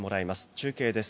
中継です。